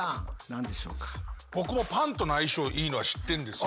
僕もパンとの相性いいのは知ってんですよ。